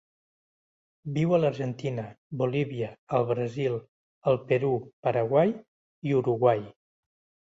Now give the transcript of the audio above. Viu a l'Argentina, Bolívia, el Brasil, el Perú, Paraguai i Uruguai.